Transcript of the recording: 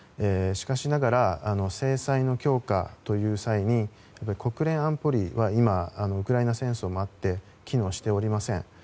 しかしながら制裁の強化という際に国連安保理は今、ウクライナ戦争もあって機能しておりません。